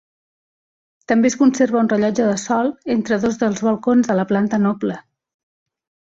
També es conserva un rellotge de sol entre dos dels balcons de la planta noble.